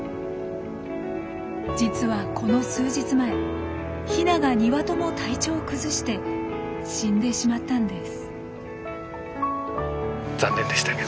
実はこの数日前ヒナが２羽とも体調を崩して死んでしまったんです。